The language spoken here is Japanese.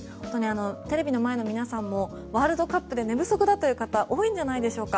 テレビの前の皆さんもワールドカップで寝不足だという方多いんじゃないでしょうか。